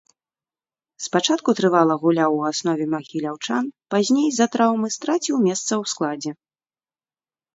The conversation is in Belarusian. Спачатку трывала гуляў у аснове магіляўчан, пазней з-за траўмы страціў месца ў складзе.